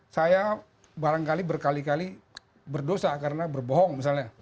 saya barangkali berkali kali berdosa karena berbohong misalnya